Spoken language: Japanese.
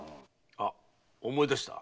あ思い出した。